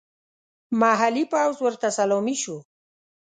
محلي پوځ ورته سلامي شو.